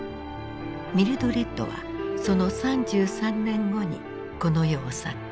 ミルドレッドはその３３年後にこの世を去った。